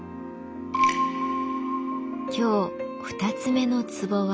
今日２つ目の壺は